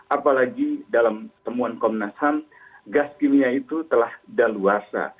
apalagi dalam temuan komnas ham gas kimia itu telah daluasa